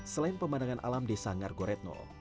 selain pemandangan alam desa ngargoretno